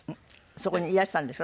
そこにいらしたんでしょ？